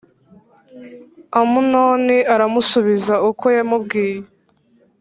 Amunoni aramusubiza uko yamubyiye